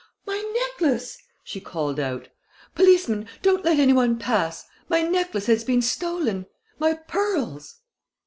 "My necklace!" she called out. "Policeman, don't let any one pass out! My necklace has been stolen my pearls!"